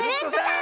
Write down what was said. ん？